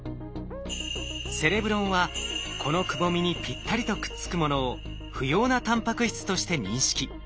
セレブロンはこのくぼみにぴったりとくっつくものを不要なタンパク質として認識。